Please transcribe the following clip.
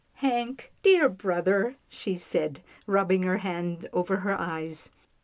" Hank, you dear brother," she said, rubbing her hand over her eyes.